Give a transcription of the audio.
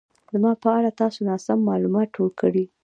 زما په اړه تاسو ناسم مالومات ټول کړي